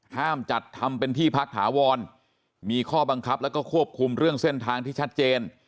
ห้ามจัดทำเป็นที่พักถาวรมีข้อบังคับแล้วก็ควบคุมเรื่องเส้นทางที่ชัดเจน